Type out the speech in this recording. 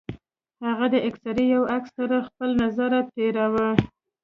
هغه د اکسرې يو عکس تر خپل نظره تېراوه.